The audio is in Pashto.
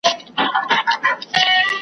ور څرګند د رڼا ګانو حقیقت وي .